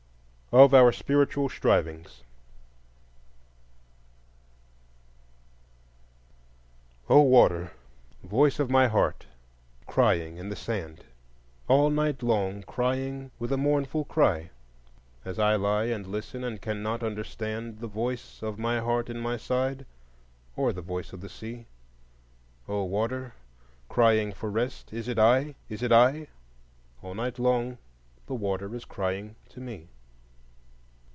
Of Our Spiritual Strivings O water, voice of my heart, crying in the sand, All night long crying with a mournful cry, As I lie and listen, and cannot understand The voice of my heart in my side or the voice of the sea, O water, crying for rest, is it I, is it I? All night long the water is crying to me.